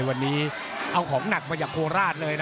วันนี้เอาของหนักมาอย่าโพราช